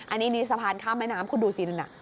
อันนี้นี่สะพานข้ามระยะน้ำคุณดูซิขนมน่